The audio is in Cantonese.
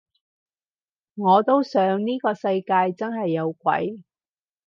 我都想呢個世界真係有鬼